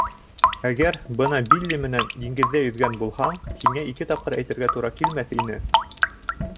Әгәр бына Билли менән диңгеҙҙә йөҙгән булһаң, һиңә ике тапҡыр әйтергә тура килмәҫ ине.